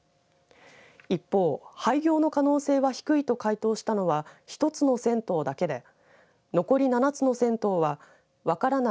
一方、廃業の可能性は低いと回答したのは一つの銭湯だけで残り７つの銭湯は分からない。